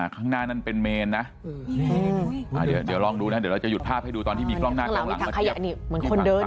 ข้างหน้านั้นเป็นเมนนะเดี๋ยวลองดูนะเดี๋ยวเราจะหยุดภาพให้ดูตอนที่มีกล้องหน้ากล้องหลังมาเทียบ